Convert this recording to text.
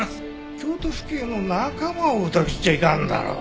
京都府警の仲間をうたぐっちゃいかんだろう。